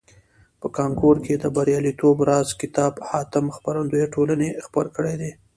په کانکور کې د بریالیتوب راز کتاب حاتم خپرندویه ټولني خپور کړیده.